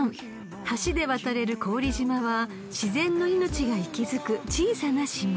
［橋で渡れる古宇利島は自然の命が息づく小さな島］